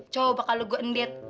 coba kalau gua ndet